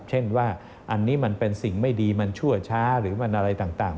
เช่นว่าอันนี้มันเป็นสิ่งไม่ดีมันชั่วช้าหรือมันอะไรต่าง